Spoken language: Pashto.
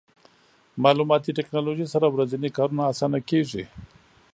مالوماتي ټکنالوژي سره ورځني کارونه اسانه کېږي.